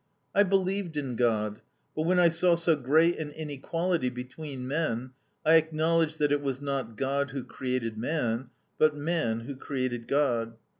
"I believed in God; but when I saw so great an inequality between men, I acknowledged that it was not God who created man, but man who created God.